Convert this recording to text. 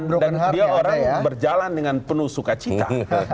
dan dia orang berjalan dengan penuh sukacita